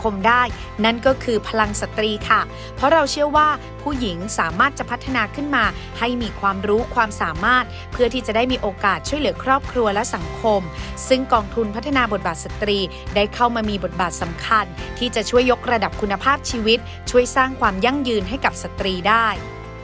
มีความรู้ความสามารถเพื่อที่จะได้มีโอกาสช่วยเหลือครอบครัวและสังคมซึ่งกองทุนพัฒนาบทบาทสตรีได้เข้ามามีบทบาทสำคัญที่จะช่วยยกระดับคุณภาพชีวิตช่วยสร้างความยั่งยืนให้กับสตรีได้